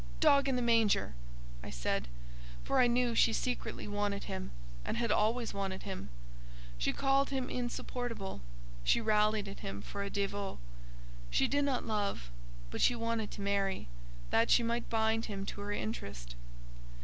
"Dog in the manger!" I said: for I knew she secretly wanted him, and had always wanted him. She called him "insupportable:" she railed at him for a "dévot:" she did not love, but she wanted to marry, that she might bind him to her interest.